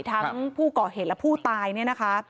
ทั้งผู้ก่อเหตุและผู้ตายเนี่ยนะคะ